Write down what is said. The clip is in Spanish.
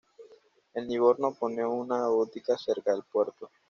En Livorno pone una botica cerca del puerto.